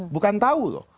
bukan tau loh